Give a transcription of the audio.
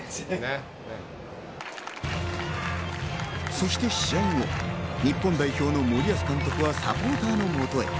そして試合後、日本代表の森保監督はサポーターのもとへ。